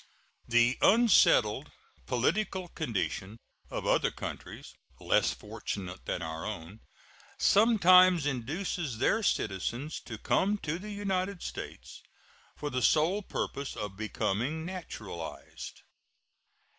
The unsettled political condition of other countries, less fortunate than our own, sometimes induces their citizens to come to the United States for the sole purpose of becoming naturalized.